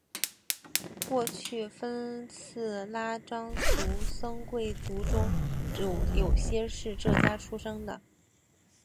过去分寺拉章僧俗贵族中有些是这家出生的。